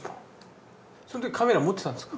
その時カメラ持ってたんですか？